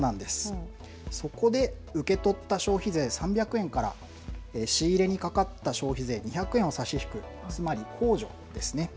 そこで受け取った消費税３００円から仕入れにかかった消費税２００円差し引く、つまり控除です。